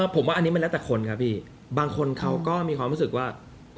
ผมว่าอันนี้มันแล้วแต่คนครับพี่บางคนเขาก็มีความรู้สึกว่า